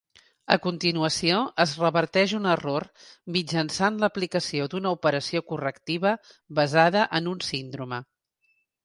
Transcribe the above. A continuació es reverteix un error mitjançant l'aplicació d'una operació correctiva basada en un síndrome.